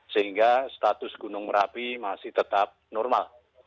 sehingga status gunung merapi masih tetap normal